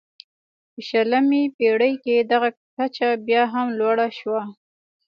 په شلمې پېړۍ کې دغه کچه بیا هم لوړه شوه.